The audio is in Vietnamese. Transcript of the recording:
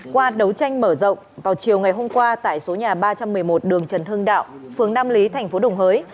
qua đấu tranh mở rộng vào chiều ngày hôm qua tại số nhà ba trăm một mươi một đường trần hưng đạo phường nam lý thành phố đồng hới